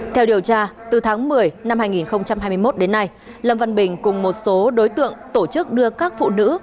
theo điều tra từ tháng một mươi năm hai nghìn hai mươi một đến nay lâm văn bình cùng một số đối tượng tổ chức đưa các phụ nữ